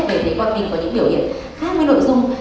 để thấy con mình có những biểu hiện khác với nội dung